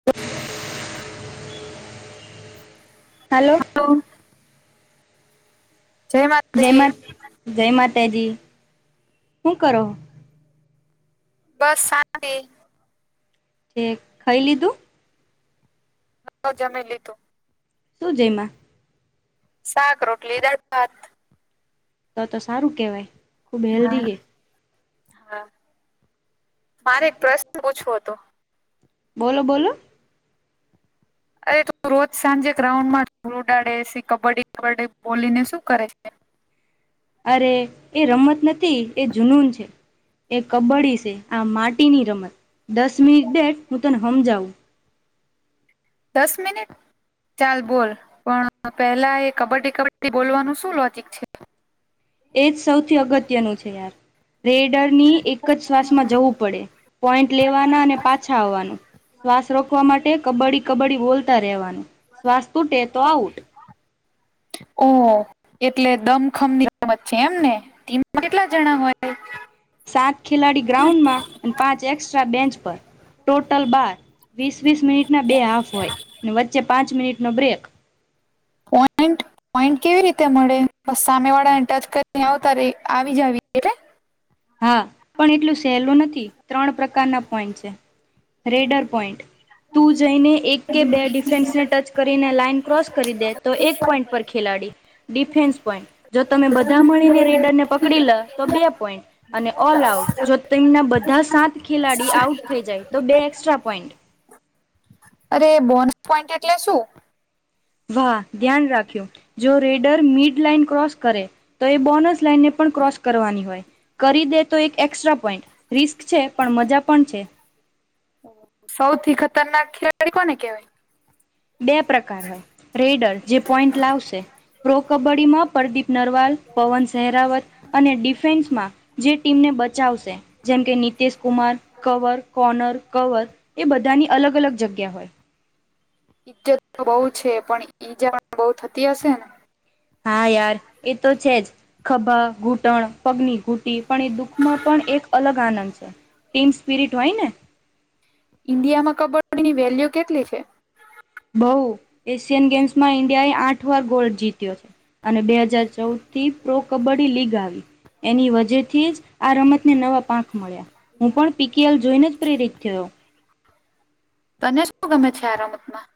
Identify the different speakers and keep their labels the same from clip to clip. Speaker 1: [inaudible]
Speaker 2: Hello
Speaker 1: હ [inaudible] જય મા
Speaker 2: જય મા જય માતાજી શું કરો હો?
Speaker 1: બસ શાંતિ
Speaker 2: ઠીક ખઈ લીધું?
Speaker 1: હ જમી લીધું.
Speaker 2: શું જયમાં?
Speaker 1: સાક રોટલી, દાળ ભાત
Speaker 2: તો તો સારું કેવાય.
Speaker 1: હા હા મારે એક પ્રશ્ન પૂછવો તો?
Speaker 2: બોલો બોલો
Speaker 1: અરે તું રોજ સાંજે ગ્રાઉન્ડ માં જ ઉડાડે કબડ્ડી કબડ્ડી બોલીને શું કરે છે?
Speaker 2: અરે એ રમત નથી એ જૂનૂન છે. એ કબ્ડી છે આ માટીની રમત દસ મિનિટ દે હું તને હમજાવું.
Speaker 1: દસ મિનિટ ચાલ બોલ પણ પેલા એ કબડ્ડી કબડ્ડી બોલવાનું શું લોજીક છે?
Speaker 2: એ જ સૌથી અગત્યનું છે યાર રેડરની એક જ શ્વાસમાં જવું પડે. પોઇન્ટ લેવાના અને પાછા આવવાનું. શ્વાસ રોકવા માટે કબડ્ડી કબ્ડી બોલતા રહેવાનું શ્વાસ તૂટે તો આઉટ.
Speaker 1: ઓ એટલે દમખમ ની રમત છે એમને ટિમમા કેટલા જણા હોય?
Speaker 2: સાત ખેલાડી ગ્રાઉન્ડ માં અને પાંચ એકક્સ્ટ્રા બેન્ચ પર. ટોટલ બાર વીસ વીસ મિનિટના બે હાફ હોય વચ્ચે પાંચ મિનિટનો બ્રેક.
Speaker 1: પોઈન્ટ
Speaker 2: [inaudible]
Speaker 1: પોઈન્ટ કેવી રીતે મળે બસ સામે વાળા ટચ કરીને આવતા ર આવી જ આવી એટલે.
Speaker 2: હા પણ એટલું સહેલું નથી ત્રણ પ્રકારના પોઈન્ટ છે રેડર પોઈન્ટ. તું જઈને એક કે બે ડિફેન્સને ટચ કરીને લાાઈન ક્રોસ કરી દે તો એક પોઈન્ટ પર ખેલાડી. ડિફેન્સ પોઈન્ટ જો તમે બધા મળીને રેડર ને પકડી લ. તો બે પોઈન્ટ અને ઓલ આઉટ જો તમના બધા સાત ખેલાડી આઉટ થઈ જાય. તો બે એક્સ્ટ્રા પોઈન્ટ.
Speaker 1: અરે બોનસ પોઈન્ટ એટલે શું?
Speaker 2: વાહ ધ્યાન રાખ્યું જો રેડર મિડ લાઈન ક્રોસ કરે. તો એ બોનસ લાઇન ને ક્રોસ કરવાની હોય. કરી દે તો એક એસ્ટ્રા પોઈન્ટ રિસ્ક છે પણ મજા પણ છે.
Speaker 1: સૌથી ખતરનાક ખેલાડી કોને કહેવાય?
Speaker 2: બે પ્રકાર હોય રેડર જે પોઈન્ટ લાવશે. પ્રો કબડ્ડી માં પરદીપ નરવાલ, પવન સેહરાવત અને ડિફેન્સમાં જે ટીમને બચાવશે જેમ કે Nitesh Kumar cover corner cover એ બધાની અલગ અલગ જગ્યા હોય.
Speaker 1: ઈજ્જત તો બઉ છે પણ ઈજા પણ બઉ થતી હશે ને.
Speaker 2: હા યાર એ તો છે જ ખભા ઘૂંટણ, પગની ઘૂટી પણ એ દુઃખમાં પણ એક અલગ આનંદ છે ટીમ સ્પિરિટ હોય ને,
Speaker 1: ઇન્ડિયા મા કબડ્ડી ની વેલ્યુ કેટલી છે?
Speaker 2: બહુ એશિયન ગેમ્સમાં ઈન્ડિયાએ આઠ વાર ગોલ્ડ જીત. [unintelligible] અને બે હજાર ચૌદ થી પ્રો કબડ્ડી લીગ આવી એની વજથી જ આ રમત ને નવા પાંખ મળ્યા હું પણ પીકેએલ જોઈને પ્રેરિત થયો.
Speaker 1: તને શું ગમે છે આ રમતમાં?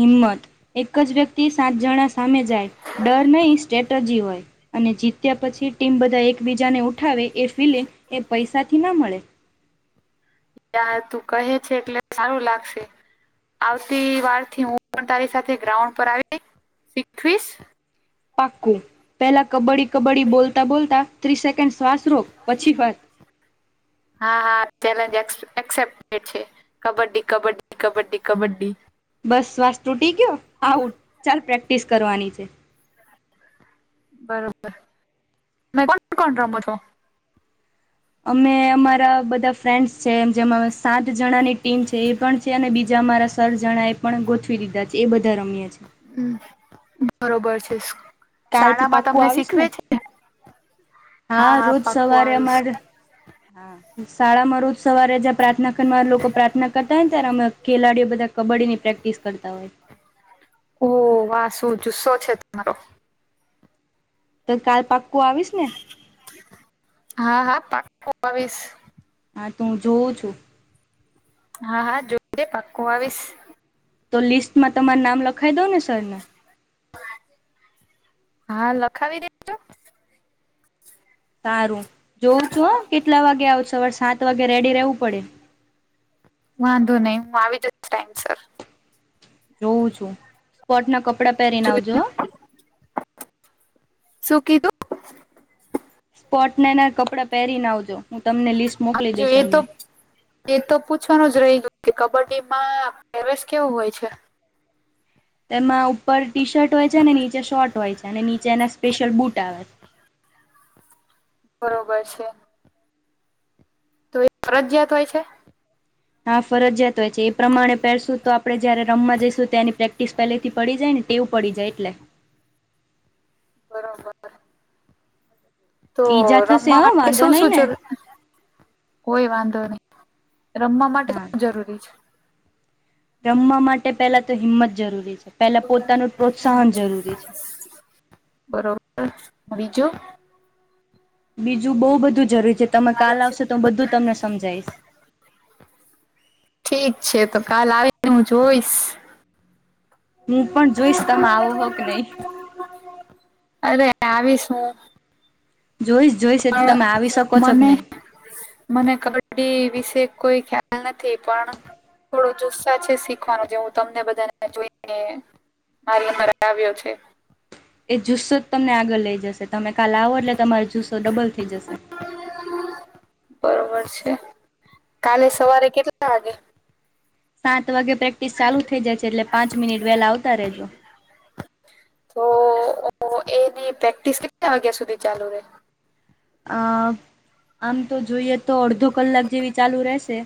Speaker 2: હિંમત એક જ વ્યક્તિ સાત જણા સામે જાય ડર નહી સ્ટ્રેટજી હોય. અને જીત્યા પછી ટીમ બધા એકબીજાને ઉઠાવે એ ફિલે એ પૈસાથી ના મળે.
Speaker 1: યાર તું કહે છે એટલે સારું લાગશે. આવતી વાર થી હું પણ તારી સાથે ગ્રાઉન્ડ પર આવી શીવીસ
Speaker 2: પાક્કું પેલા કબડ્ડી કબડ્ડી બોલતા બોલતા ત્રી સેકન્ડ શ્વાસ રોક પછી વાત
Speaker 1: હા હા ચેલેન્જ એક્સેપ્ટે છે. કબડ્ડી કબડ્ડી કબડ્ડી કબડ્ડી
Speaker 2: બસ શ્વાસ તૂટી ગયો આવઉું ચાલ પ્રેક્ટિસ કરવાની છે.
Speaker 1: બરોબર મે કોણ કોણ રમો છો?
Speaker 2: અમે અમારા બધા ફ્રેન્ડસ છે એમ જેમાં. સાત જણાની ટીમ છે એ પણ છે અને બીજા અમારા સર જણા એ પણ ગો દીધા છે એ બધા રમ્યા છે.
Speaker 1: હમ બરોબર છે.
Speaker 2: કાલ થી
Speaker 1: શાળામાં
Speaker 2: પાક્કું
Speaker 1: તમને
Speaker 2: આવીશ ને
Speaker 1: શીખવે છે
Speaker 2: હા રોજ સવારે અમાર. હા શાળામાં રોજ સવારે જ્યાં પ્રાર્થના ખંડમાં લોકો પ્રાર્થના કરતા હોય ત્યારે અમે ખેલાડીઓ બધા કબડ્ડીની પ્રેક ટીસ કરતા હોય.
Speaker 1: ઓહ વાહ સુ જુસ્સો છે તમારો.
Speaker 2: તો કાલ પાક્કું આવીશ ને.
Speaker 1: હા હા પાકુ આવીશ.
Speaker 2: હા તું જોઉં છું.
Speaker 1: હા હા, જોજે પાક્કો આવીશ.
Speaker 2: તો લિસ્ટમાં તમાર નામ લખઈ દઉને સરને?
Speaker 1: હા, લખાવી દે.
Speaker 2: સારું. જોઉં છું હ? કેટલા વાગે આવ સવારે સાત વાગે રેડી રહેવું પડે.
Speaker 1: વાંધો નહી. હું આવી દ ટાઈમ સર.
Speaker 2: જોઉં છું? સ્પોટના કપડા પહેરીને આવજો હો.
Speaker 1: શું કી તું?
Speaker 2: સ્પોટનાના કપડાં પહેરીને આવજો. હું તમને લિસ્ટ મોકલી
Speaker 1: જો
Speaker 2: દઈશ.
Speaker 1: એ તો
Speaker 2: એમની
Speaker 1: એ તો પૂછવાનું જ રહી ગયું કે, કબડ્ડી માં પ્રવેશ કેવું હોય છે?
Speaker 2: તેમાં ઉપર ટી શર્ટ હોય છે અને નીચે શર્ટ હોય છે, અને નીચે એના સ્પેશિયલ બૂટ આવે.
Speaker 1: બરોબર છે. તો એ ફરજિયાત હોય છે?
Speaker 2: હા ફરજિયાત હોય છે. એ પ્રમાણે પહેરશું તો, આપણે જયારે રમમાં જઈશું. પ્રેક- ટીસ પહેલેથી પડી જાયને તેવું પડી જાય. એટલે
Speaker 1: બરાબર. તો
Speaker 2: ઈજા થશે
Speaker 1: રમવા
Speaker 2: હ
Speaker 1: માટે
Speaker 2: વાંધો
Speaker 1: શું
Speaker 2: નહી
Speaker 1: શું
Speaker 2: ને
Speaker 1: જરૂર? કોઈ વાંધો નહી. રમવા માટે
Speaker 2: હા
Speaker 1: [unintelligible] જરૂરી છે.
Speaker 2: રમવા માટે પહેલા તો હિંમત જરૂરી છે. પહેલા પોતાનું પ્રોત્સાહન જરૂરી છે.
Speaker 1: બરોબર. બીજો?
Speaker 2: બીજું બહુ બધું જરૂરી છે. તમે કાલ આવશો તો બધું તમને સમજાઈશ.
Speaker 1: ઠીક છે, તો કાલ આવે તો હું જોઈશ.
Speaker 2: હું પણ જોઈશ. તમ આવો હો કે નહી.
Speaker 1: [inaudible] અરે! આવીશું.
Speaker 2: જોઈશ જોઈશ એ તો તમે આવી શકો
Speaker 1: પણ
Speaker 2: છો કે
Speaker 1: મને
Speaker 2: નહીં?
Speaker 1: મને કબડ્ડી વિશે કોઈ ખ્યાલ નથી, પણ થોડો જુસ્સા છે શીખવાનો જે, હું તમને બધાને જોઈને, હાલ, અમારા આવ્યો છે.
Speaker 2: એ જુસ્સો જ તમને આગળ લઇ જશે. તમે કાલ આવો એટલે તમારો જુસ્સો ડબલ થઈ જશે.
Speaker 1: બરોબર છે. કાલે સવારે કેટ
Speaker 2: સાત વાગે પ્રેક્ટિસ ચાલુ થઈ જાય છે. એટલે પાંચ મિનિટ વહેલા આવતા રહેજો.
Speaker 1: તો એની પ્રેક્ટિસ કેટલા વાગ્યા સુધી ચાલુ રે?
Speaker 2: અ આમ તો જોઈએ તો, અડધો કલાક જેવી ચાલુ રહેશે.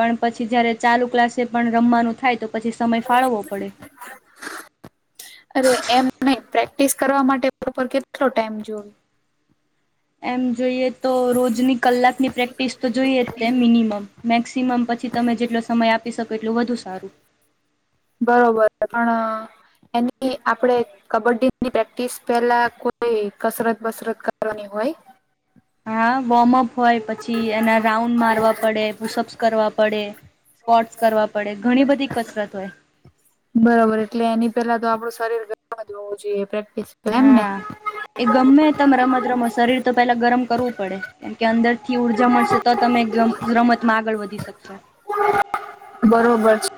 Speaker 2: પણ પછી જયારે ચાલુ ક્લાસે પણ રમવાનું થાય તો, પછી સમય ફાળવવો પડે.
Speaker 1: અરે! એમ પ્રેક્ટિસ કરવા માટે [unintelligible] કેટલો ટાઈમ?
Speaker 2: એમ જોઈએ તો, રોજની કલાકની પ્રેક્ટિસ તો જોઈએ જ તે મિનિમમ. મેક્સિમમ પછી તમે જેટલો સમય આપી શકો? એટલું વધુ સારું.
Speaker 1: બરોબર. પણ એની આપણે. કબડ્ડીની પ્રેક્ટિસ પહેલા કોઈ કસરત બસરત કરવાની હોય.
Speaker 2: હા, વોર્મઅપ હોય, પછી એના રાઉન્ડ મારવા પડે. પુસઅપ્સ કરવા પડે. કોટસ કરવા પડે, ઘણી બધી કસરત હોય.
Speaker 1: બરાબર. એટલે એની પહેલા તો આપણું ગરમ જ હોવું જોઈએ. પ્રેક્ટિસ એમને.
Speaker 2: હા એ ગમે તમે રમત રમત શરીર તો પહેલા કરવું પડે. કેમ કે, અંદરથી ઉર્જા મળશે તો તમે રમતમાં આગળ વધી શકશો.
Speaker 1: બરોબર છે.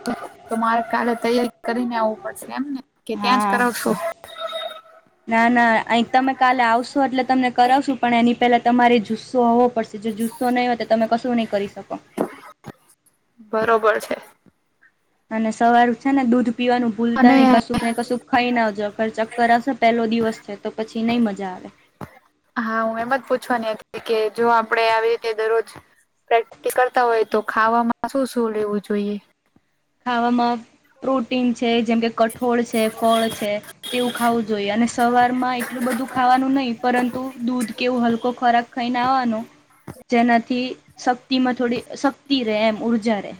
Speaker 1: તો મારે કાલે તૈય કરીને આવવું પડશે એમને કે, ત્યાં જ
Speaker 2: હા
Speaker 1: કરાવશું?
Speaker 2: ના ના. અહી તમે કાલે આવશો એટલે તમને કરાવશું પણ એની પહેલા. તમારે જુસ્સો હોવો પડશે. જો જુસ્સો નહીં હોય, તો તમે કશું નહીં કરી શકો?
Speaker 1: બરોબર છે.
Speaker 2: અને સવાર છે ને દૂધ પીવાનું, ભૂલતા નહીં
Speaker 1: અને
Speaker 2: કશુંક ને કશુંક ખાઈ ના આવજોર ચક્કર આવશે પહેલો દિવસ છે તો પછી નહીં મજા આવે.
Speaker 1: હા હું એમ જ પૂછવાની હતી કે જો આવી રીતે દરરોજ, પ્રેક્ટિસ કરતા હોય તો ખાવામાં શું શું લેવું જોઈએ.
Speaker 2: ખાવામાં પ્રોટીન છે, જેમ કે કઠોળ છે, ફળ છે, તેવું ખાવું જોઈએ અને સવાર માં એટલું બધું, ખાવાનું નહી પરંતુ દૂધ કેવો હલકો ખોરાક ખાઈને આવાનો, જેનાથી શક્તિ માં થોડી શક્તિ રે એમ ઊર્જા રે,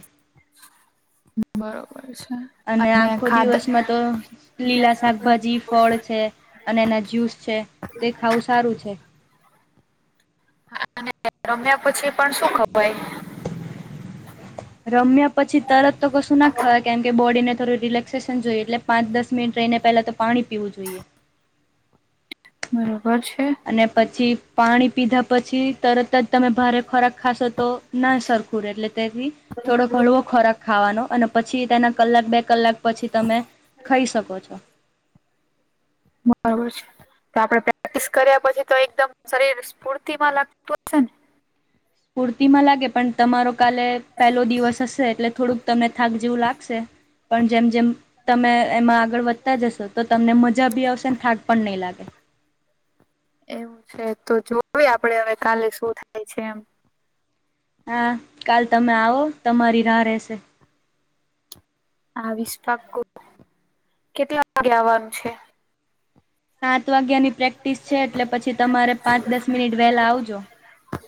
Speaker 1: બરોબર છે.
Speaker 2: અને આખો દિવસમાં તો લીલા સાક ભાજી ફળ છે અને એના જ્યુસ છે, તે ખાવું સારું છે.
Speaker 1: તે રમ્યા પછી પણ શું ખવાય.
Speaker 2: [inaudible] રમ્યા પછી તરત તો કશું ના ખવા કેમ કે બોડીને થોડું રિલેક્સેશન જોઈએ એટલે પાંચ દસ મિનિટ રહીને પહેલા તો, પાણી પીવું જોઈએ.
Speaker 1: બરોબર છે.
Speaker 2: અને પછી પાણી પીધા પછી તરત જ તમે ભારે ખોરાક ખાશો તો, ના સરખું રે એટલે તેથી થોડો હળવો ખોરાક ખાવાનો અને પછી તેના કલાક બે કલાક, પછી તમે ખઈ શકો છો.
Speaker 1: બરાબર છે તો આપડે પ્રેક્ટિસ કર્યા પછી તો એકદમ શરીર સ્ફૂર્તિમાં લાગતું હોય,
Speaker 2: પૂર્તિ માં લાગે પણ તમારો કાલે પેલો દિવસ હશે એટલે થોડુંક તમને થાક જેવું લાગશે. પણ જેમ જેમ, તમે એમાં આગળ વધતા જશો તો તમને મજા ભી આવશે ને થાક પણ નહી લાગે.
Speaker 1: એમ છે તો જોવી આપડે હવે કાલે શું થાય છે એમ,
Speaker 2: હા કાલ તમે આવો તમારી રાહ રહેશે.
Speaker 1: હ આવીશ પાકું કેટલા વાગે આવવાનું છે.
Speaker 2: સાત વાગ્યાની પ્રેક્ટિસ છે એટલે પછી તમારે પાંચ દસ મિનિટ વહેલા આવજો.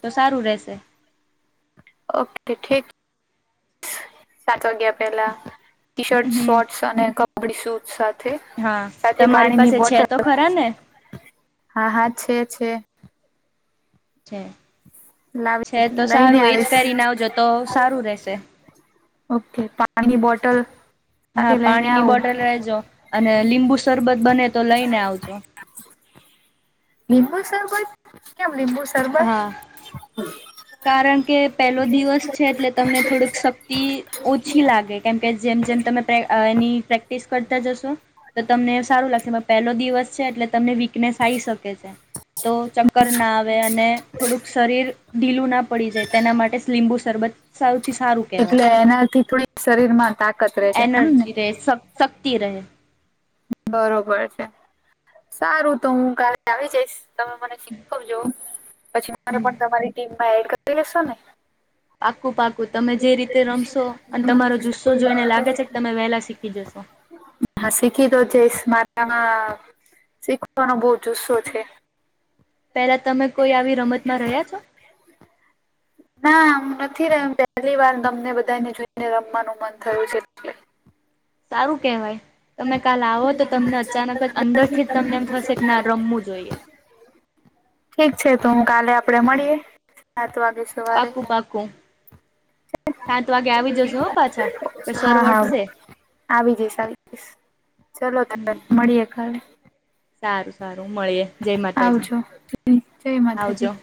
Speaker 2: તો સારું રહેશે,
Speaker 1: ઓકે ઠીક. સાત વાગ્યા પહેલાં ટી શર્ટ
Speaker 2: હમ
Speaker 1: શોર્ટસ અને કપડી શૂ સા થે
Speaker 2: હા
Speaker 1: સાથે
Speaker 2: તમારી
Speaker 1: પાણીની
Speaker 2: પાસે છે
Speaker 1: બોટલ
Speaker 2: તો ખરા ને
Speaker 1: હા હા છે છે,
Speaker 2: છે છે તો
Speaker 1: લાવી લઈને
Speaker 2: સારું એજ
Speaker 1: આવીશ
Speaker 2: પહેરીને આવજો તો સારું રહેશે.
Speaker 1: ઓકે પાણી ની બોટલ, સાથે
Speaker 2: હા
Speaker 1: લઈને
Speaker 2: પાણીની
Speaker 1: આવું.
Speaker 2: બોટલ રહેજો અને લીંબુ શરબત બને તો લઈને આવજો
Speaker 1: લીંબુ શરબત? કેમ લીંબુ શરબત.
Speaker 2: હા
Speaker 1: હમ.
Speaker 2: કારણ કે પહેલો દિવસ છે એટલે, તમને થોડીક શક્તિ ઓછી લાગે કેમ કે જેમ જેમ તમે એની પ્રેક પ્રક્ટિસ કરતા જશો તો તમને સારું લાગશે પહેલો દિવસ છે એટલે તમને વીકનેસ આવી શકે છે. તો ચક્કર ના આવે અને થોડુંક શરીર, પીલું ના પડી જાય તેના માટે લીંબુ શરબત, સૌથી સારું કહેવાય
Speaker 1: એટલે એનાથી થોડી શરીર માં તાકાત રહેશે એમ ને,
Speaker 2: તે શ શક્તિ રહે,
Speaker 1: બરોબર છે સારું તો હું કાલે આવી જઈશ. તમે મને શીખવજો, પછી મને પણ તમારી ટીમમાં એડ કરી લેશો ને.
Speaker 2: પાકું પાકું, તમે જે રીતે રમશો, અને તમારો જુસ્સો જોઈને લાગે છે કે, તમે વહેલા શીખી જશો.
Speaker 1: હા, શીખી તો જઈશ, મારે આમાં શીખવાનો જુસ્સો છે.
Speaker 2: પેલા તમે કોઈ આવી રમતમાં રહ્યા છો?
Speaker 1: ના હું નથી, પહેલી વાર તમને બધાને જોઈને, રમવાનું મન થયું છે. એટલે
Speaker 2: સારું કેવાય. તમે કાલ આવો તો, તમને અચાનક જ અંદર થી જ તમને એમ થશે કે, ના રમવું જોઈએ.
Speaker 1: ઠીક છે તો, હું કાલે આપડે મળીએ સાત વાગે. સવારે
Speaker 2: પાકું પાકું, સાત વાગે આવી જશે હો, પાછા કે
Speaker 1: હા હા
Speaker 2: સરવટશે.
Speaker 1: આવી જઈ સારી, ચાલો તો
Speaker 2: હમ
Speaker 1: મળીએે કાલે.
Speaker 2: સારું સારું મળીએ, જય માતાજી
Speaker 1: આવજો જય માતાજી
Speaker 2: આવજો.